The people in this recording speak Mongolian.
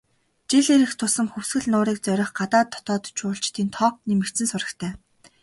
Жил ирэх тусам Хөвсгөл нуурыг зорих гадаад, дотоод жуулчдын тоо нэмэгдсэн сурагтай.